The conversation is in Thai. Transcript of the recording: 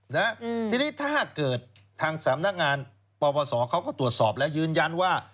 นะฮะทีนี้ถ้าเกิดทางสำนักงานปปศเขาก็ตรวจสอบแล้วยืนยันว่า